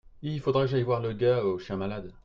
Il faudra que j'aille voir le gars au chien malade.